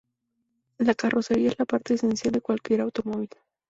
La carrocería es la parte esencial de cualquier automóvil.